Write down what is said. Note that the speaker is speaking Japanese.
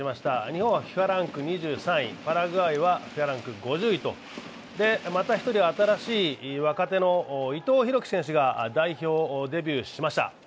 日本はＦＩＦＡランク２３位、パラグアイは５０位とまた１人新しい若手の伊藤洋輝選手が代表デビューしました。